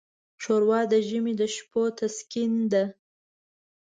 ښوروا د ژمي د شپو تسکین ده.